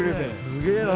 すげえな。